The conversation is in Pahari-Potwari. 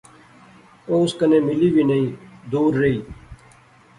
او اس کنے ملی وی نئیں، دور رہی